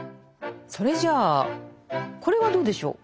それじゃあこれはどうでしょう。